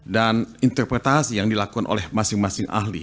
dan interpretasi yang dilakukan oleh masing masing ahli